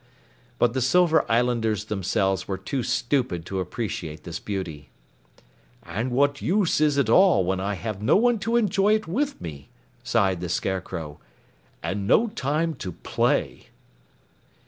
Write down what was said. But the Silver Islanders themselves were too stupid to appreciate this beauty. "And what use is it all when I have no one to enjoy it with me," sighed the Scarecrow. "And no time to _play!"